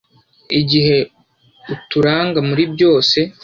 igihe uturanga muri byose